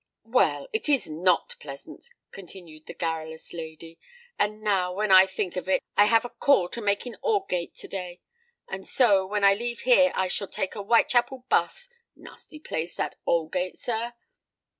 "Well—it is not pleasant," continued the garrulous lady. "And now, when I think of it, I have a call to make in Aldgate to day; and so, when I leave here, I shall take a Whitechapel 'bus. Nasty place that Aldgate, sir?"